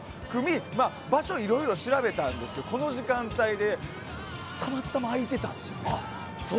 場所をいろいろ調べたんですけどこの時間帯でたまたま空いてたんですよ。